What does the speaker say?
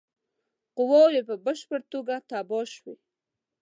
قواوي په بشپړه توګه تباه شوې.